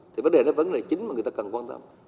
thì vấn đề đó vẫn là chính mà người ta cần quan tâm